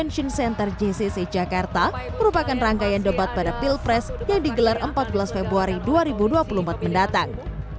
mention center jcc jakarta merupakan rangkaian debat pada pilpres yang digelar empat belas februari dua ribu dua puluh empat mendatang